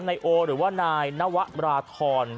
นายโอหรือว่านายนวราธร